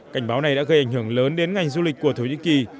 cảnh báo này đã gây ảnh hưởng lớn đến ngành du lịch của thổ nhĩ kỳ